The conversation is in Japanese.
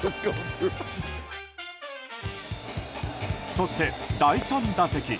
そして第３打席。